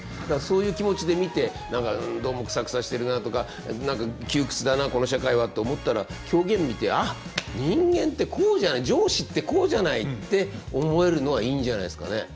だからそういう気持ちで見てどうもくさくさしてるなとか何か窮屈だなこの社会はと思ったら狂言見てああ人間ってこうじゃない上司ってこうじゃないって思えるのはいいんじゃないですかね。